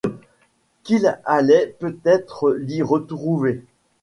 qu’il allait peut-être l’y retrouver.